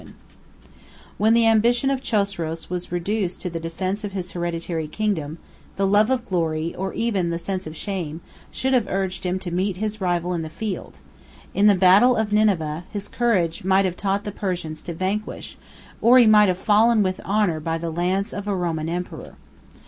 ] When the ambition of Chosroes was reduced to the defence of his hereditary kingdom, the love of glory, or even the sense of shame, should have urged him to meet his rival in the field. In the battle of Nineveh, his courage might have taught the Persians to vanquish, or he might have fallen with honor by the lance of a Roman emperor.